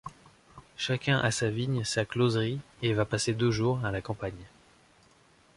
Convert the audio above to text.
Chacun a sa vigne, sa closerie, et va passer deux jours à la campagne.